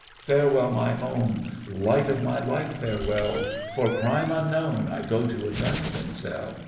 Farewell, my own, Light of my life, farewell! For crime unknown I go to a dungeon cell.